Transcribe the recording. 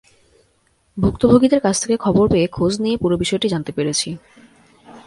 ভুক্তভোগীদের কাছ থেকে খবর পেয়ে খোঁজ নিয়ে পুরো বিষয়টি জানতে পেরেছি।